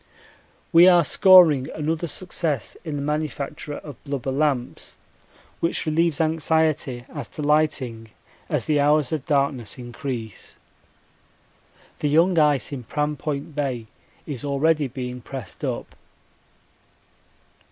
We are scoring another success in the manufacture of blubber lamps, which relieves anxiety as to lighting as the hours of darkness increase. The young ice in Pram Point Bay is already being pressed up.